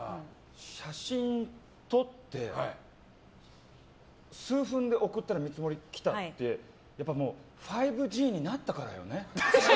写真撮って、数分で送ったら見積もりが来たってやっぱもう５Ｇになったからよね。